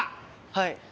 はい。